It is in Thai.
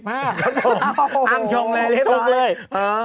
อ้างชงเลยรึเปล่า